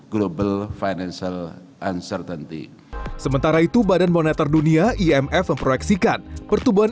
global financial uncertainty sementara itu badan moneter dunia imf memproyeksikan pertumbuhan